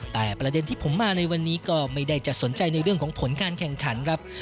แต่ประเด็นที่ผมมาในวันนี้ก็ไม่ได้จะสนใจในเรื่องของผลการแข่งขันครับ